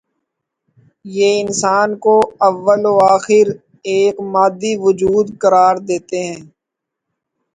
یہ انسان کو اوّ ل و آخر ایک مادی وجود قرار دیتے ہیں۔